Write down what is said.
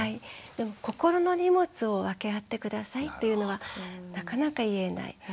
でも心の荷物を分け合って下さいっていうのはなかなか言えない。